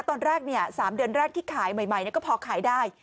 ตอนแรก๓เดือนแรกที่ขายใหม่ก็พอขายได้